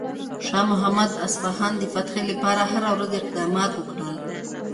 شاه محمود د اصفهان د فتح لپاره هره ورځ اقدامات وکړل.